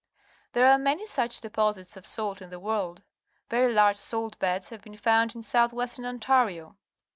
There are many such deposits of salt in the world. Very large salt beds have been foimd in south western Ontario.